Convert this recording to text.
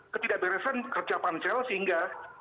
ketidakberasan kerja pansel sehingga